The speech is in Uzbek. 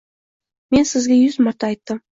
“Men sizga yuz marta aytdim...”.